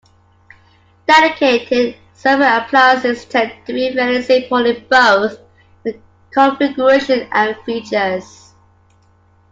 Dedicated server appliances tend to be fairly simple in both configuration and features.